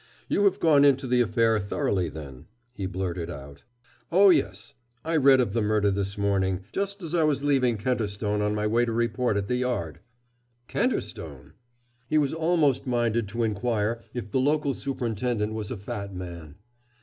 "You have gone into the affair thoroughly, then," he blurted out. "Oh, yes. I read of the murder this morning, just as I was leaving Kenterstone on my way to report at the Yard." "Kenterstone!" He was almost minded to inquire if the local superintendent was a fat man.